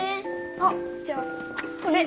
あっじゃあこれ。